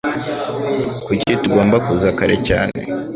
Kuki tugomba kuza kare cyane?